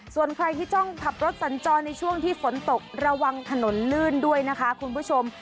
ส่วนใครที่ต้องขับรถสัญจรในช่วงที่ฝนตกระวังถนนลื่นด้วยนะคะคุณผู้ชม